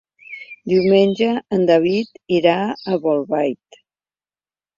Diumenge en David irà a Bolbait.